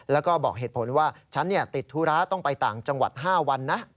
แล้วก็บอกเหตุผลว่าฉันติดธุระต้องไปต่างจังหวัด๕วันนะ